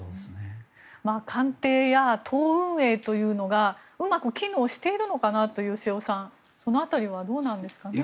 官邸や党運営というのがうまく機能しているのかなというその辺りはどうなんですかね。